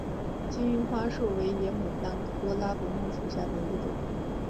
金花树为野牡丹科柏拉木属下的一个种。